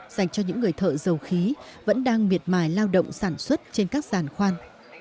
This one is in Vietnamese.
dành cho những người thợ dầu khí vẫn đang miệt mải lao động sản xuất trên các giàn khoan